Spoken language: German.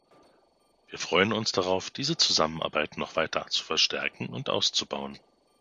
Wir freuen uns darauf, diese Zusammenarbeit noch weiter zu verstärken und auszubauen.